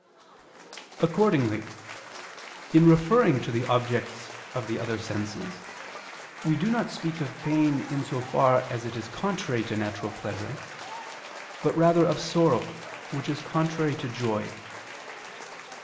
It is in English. Accordingly, in referring to the objects of the other senses, we do not speak of pain in so far as it is contrary to natural pleasure: but rather of sorrow, which is contrary to joy.